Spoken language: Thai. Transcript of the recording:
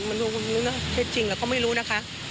มันรู้มันรู้ค่ะใช่จริงหรือเขาไม่รู้นะคะ